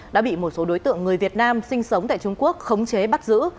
đã bị một số đối tượng người việt nam sinh sống tại trung quốc khống chế bắt giữ